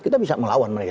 kita bisa melawan mereka